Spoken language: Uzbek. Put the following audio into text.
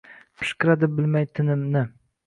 Pishqiradi bilmay tinimni.